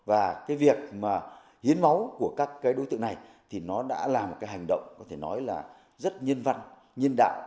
và việc hiến máu của các đối tượng này đã là một hành động rất nhân văn